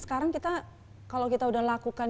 sekarang kita kalau kita udah lakukan